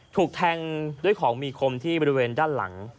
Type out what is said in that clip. ถูกแทงด้วยของมีคมที่บริเวณด้านหลัง